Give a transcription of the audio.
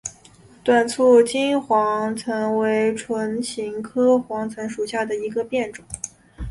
短促京黄芩为唇形科黄芩属下的一个变种。